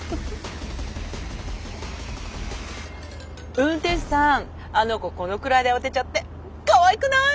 運転手さんあの子このくらいで慌てちゃってかわいくない？